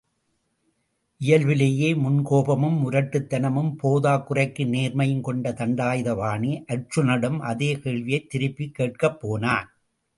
இயல்பிலேயே முன்கோபமும் முரட்டுத்தனமும், போதாக் குறைக்கு நேர்மையும் கொண்ட தண்டாயுதபாணி, அர்ச்சுனனிடம், அதே கேள்வியைத் திருப்பிக் கேட்கப் போனான்.